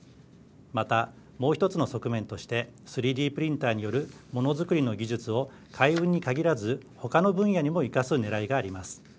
また、もう１つの側面として３Ｄプリンターによるものづくりの技術を海運に限らず、ほかの分野にも生かすねらいがあります。